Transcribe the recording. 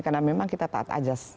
karena memang kita taat ajas